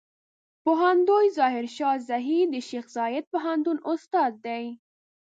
پوهندوی ظاهر شاه زهير د شیخ زايد پوهنتون استاد دی.